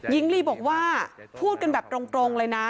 หญิงลีบอกว่าพูดกันแบบตรงเลยนะ